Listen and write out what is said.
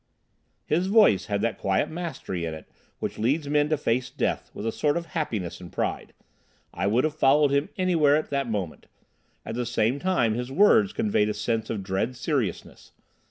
His voice had that quiet mastery in it which leads men to face death with a sort of happiness and pride. I would have followed him anywhere at that moment. At the same time his words conveyed a sense of dread seriousness.